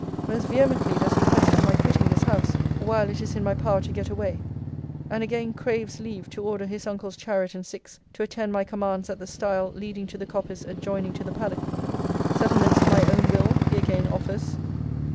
Most vehemently does he press for my quitting this house, while it is in my power to get away: and again craves leave to order his uncle's chariot and six to attend my commands at the stile leading to the coppice adjoining to the paddock. 'Settlements to my own will he again offers.